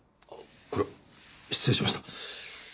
あっこれは失礼しました。